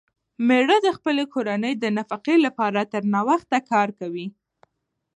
مېړه د خپلې کورنۍ د نفقې لپاره تر ناوخته کار کوي.